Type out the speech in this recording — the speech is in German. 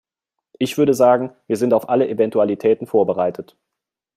Ich würde sagen, wir sind auf alle Eventualitäten vorbereitet.